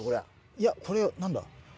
いやこれ何だ？